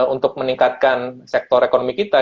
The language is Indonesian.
untuk meningkatkan sektor ekonomi kita